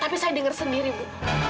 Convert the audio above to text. tapi saya dengar sendiri bu